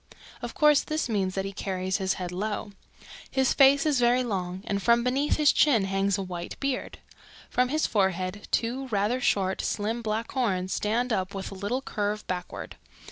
Of course this means that he carries his head low. His face is very long and from beneath his chin hangs a white beard. From his forehead two rather short, slim, black horns stand up with a little curve backward.